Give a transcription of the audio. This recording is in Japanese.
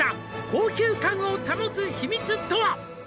「高級感を保つ秘密とは！？」